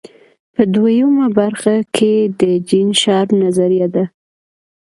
په دویمه برخه کې د جین شارپ نظریه ده.